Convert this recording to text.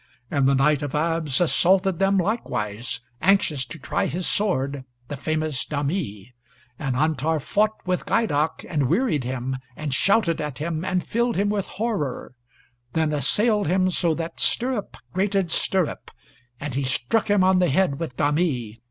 And the Knight of Abs assaulted them likewise, anxious to try his sword, the famous Dhami. And Antar fought with Gheidac, and wearied him, and shouted at him, and filled him with horror; then assailed him so that stirrup grated stirrup; and he struck him on the head with Dhami.